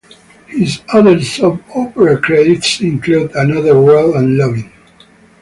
His other Soap opera credits include "Another World" and "Loving".